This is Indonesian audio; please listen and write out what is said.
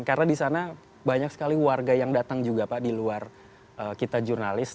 karena di sana banyak sekali warga yang datang juga pak di luar kita jurnalis